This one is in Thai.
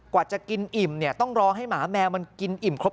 เพราะคนที่เป็นห่วงมากก็คุณพ่อคุณแม่ครับ